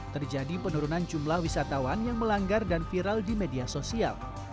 terjadi penurunan jumlah wisatawan yang melanggar dan viral di media sosial